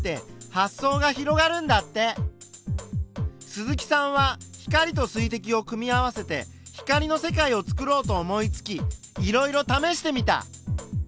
鈴木さんは光と水てきを組み合わせて光の世界をつくろうと思いつきいろいろ試してみた。